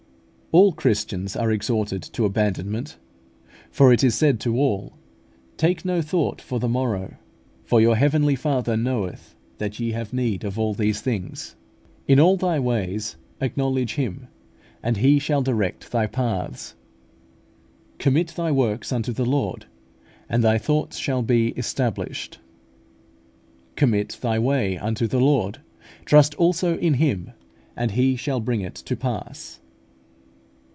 All Christians are exhorted to abandonment, for it is said to all, "Take no thought for the morrow; for your Heavenly Father knoweth that ye have need of all these things" (Matt. vi. 32, 34). "In all thy ways acknowledge Him, and He shall direct thy paths" (Prov. iii. 6). "Commit thy works unto the Lord, and thy thoughts shall be established" (Prov. xvi. 3). "Commit thy way unto the Lord; trust also in Him; and He shall bring it to pass" (Ps.